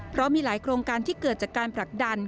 เพราะมีหลายโครงการที่เกิดจากการผลักดัน